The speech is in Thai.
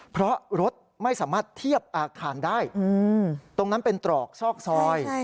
เพราะรถไม่สามารถเทียบอาคารได้ตรงนั้นเป็นตรอกซอกซอย